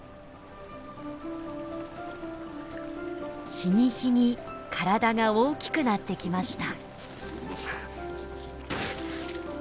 日に日に体が大きくなってきました。